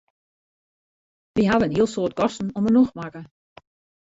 Wy hawwe in heel soad kosten om 'e nocht makke.